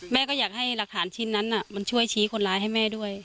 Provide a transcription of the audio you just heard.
ก็อยากให้หลักฐานชิ้นนั้นมันช่วยชี้คนร้ายให้แม่ด้วย